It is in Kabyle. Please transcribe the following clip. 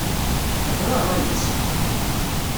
Ixla rray-is!